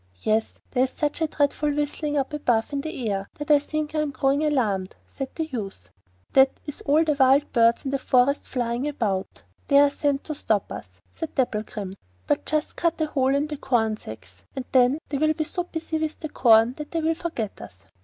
'Yes; there is such a dreadful whistling up above in the air that I think I am growing alarmed,' said the youth. 'That is all the wild birds in the forest flying about; they are sent to stop us,' said Dapplegrim. 'But just cut a hole in the corn sacks, and then they will be so busy with the corn that they will forget us.